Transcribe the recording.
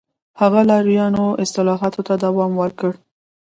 د هغه لارویانو اصلاحاتو ته دوام ورکړ